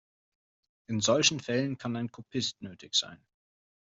In solchen Fällen kann ein Kopist nötig sein.